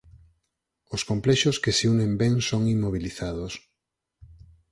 Os complexos que se unen ben son inmobilizados.